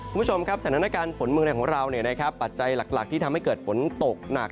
คุณผู้ชมครับสถานการณ์ฝนเมืองไทยของเราปัจจัยหลักที่ทำให้เกิดฝนตกหนัก